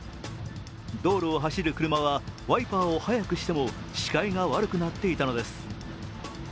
道路を走る車はワイパーを速くしても視界が悪くなっていたのです。